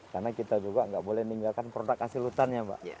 karena kita juga nggak boleh meninggalkan produk asil hutan ya mbak